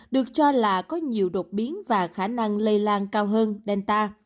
được cho là có nhiều đột biến và khả năng lây lan cao hơn delta